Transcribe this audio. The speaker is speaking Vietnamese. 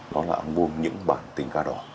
đó là album những bản tình ca đỏ